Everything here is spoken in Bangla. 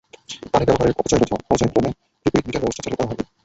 পানি ব্যবহারের অপচয় রোধে পর্যায়ক্রমে প্রি-পেইড মিটার ব্যবস্থা চালু করা হবে।